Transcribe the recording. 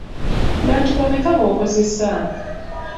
Bantu bameka b'okozesa?